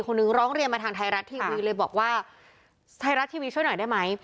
คนนึงร้องเรียนมาทางไทยรัฐทีวีเลยบอกว่าไทยรัฐทีวีช่วยหน่อยได้ไหม